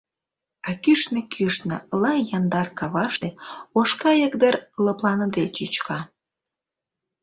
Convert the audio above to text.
А кӱшнӧ-кӱшнӧ лай яндар каваште, Ош кайык дыр лыпланыде чӱчка.